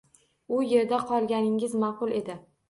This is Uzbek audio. Shu erda qolganingiz ma`qul edi